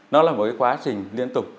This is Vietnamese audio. nó là một cái quá trình liên tục